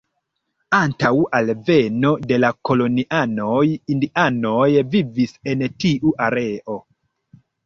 Antaŭ alveno de la kolonianoj indianoj vivis en tiu areo.